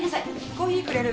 コーヒーくれる？